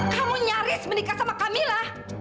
kamu nyaris menikah sama camilla